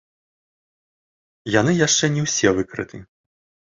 Яны яшчэ не ўсе выкрыты!